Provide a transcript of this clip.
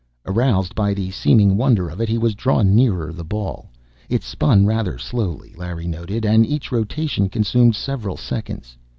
Aroused by the seeming wonder of it, he was drawn nearer the ball. It spun rather slowly, Larry noted, and each rotation consumed several seconds.